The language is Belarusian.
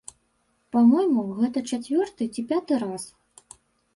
Па-мойму, гэта чацвёрты ці пяты раз.